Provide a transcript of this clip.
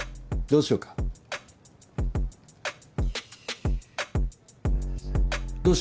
どうしよう。